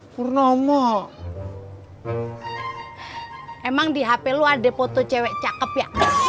purnomo emang di hp lo ada foto cewek cakep ya